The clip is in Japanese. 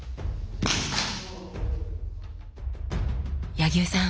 柳生さん